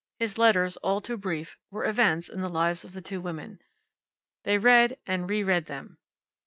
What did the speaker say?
His letters, all too brief, were events in the lives of the two women. They read and reread them.